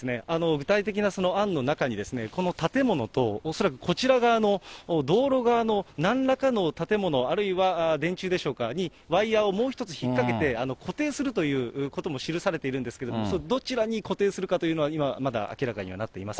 具体的な案の中に、この建物と恐らくこちら側の道路側のなんらかの建物、あるいは電柱でしょうかに、ワイヤーをもう１つ引っ掛けて、固定するということも記されているんですけれども、どちらに固定するかというのは今、まだ明らかにはなっていません。